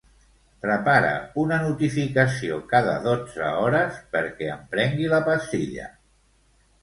Prepara una notificació cada dotze hores perquè em prengui la pastilla.